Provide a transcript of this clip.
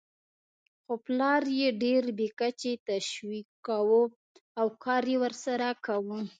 خو پلار یې ډېر بې کچې تشویقاوو او کار یې ورسره کاوه.